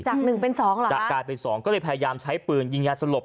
หนึ่งเป็นสองเหรอจะกลายเป็นสองก็เลยพยายามใช้ปืนยิงยาสลบ